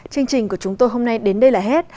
chương trình của chúng tôi hôm nay đến đây là hết